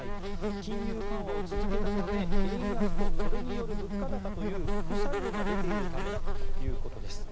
金融緩和を続けたため円安とそれによる物価高という副作用が出ているためだということです。